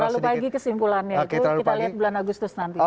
lalu pagi kesimpulannya itu kita lihat bulan agustus nanti